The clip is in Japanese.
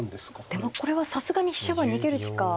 でもこれはさすがに飛車は逃げるしか。